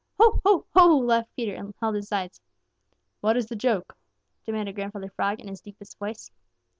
Ho, ho, ho!" laughed Peter and held his sides. "What is the joke?" demanded Grandfather Frog in his deepest voice.